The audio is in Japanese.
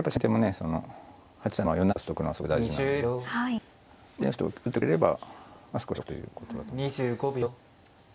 その８三の馬を４七に利かしとくのはすごく大事なのでまあ８二歩と打ってくれれば少し得ということだと思います。